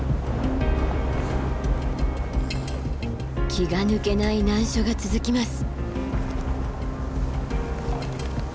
気が抜けない難所が続きます。